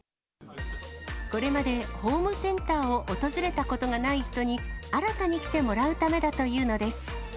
これまでホームセンターを訪れたことがない人に、新たに来てもらうためだというのです。